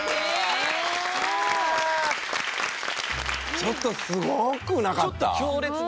ちょっとすごくなかった？